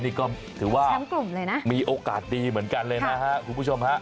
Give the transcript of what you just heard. นี่ก็ถือว่ามีโอกาสดีเหมือนกันเลยนะฮะคุณผู้ชมฮะ